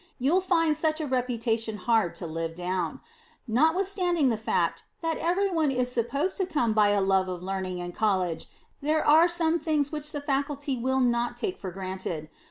You'll find such a reputation hard to live down. Notwithstanding the fact that everybody is supposed to come by a love of Learning in College, there are some things which the Faculty will not take for granted.